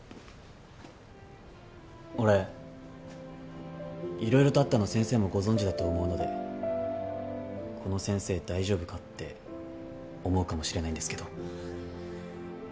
俺色々とあったの先生もご存じだと思うのでこの先生大丈夫かって思うかもしれないんですけど。